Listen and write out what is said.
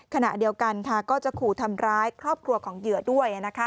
ขณะเดียวกันก็จะขู่ทำร้ายครอบครัวของเหยื่อด้วย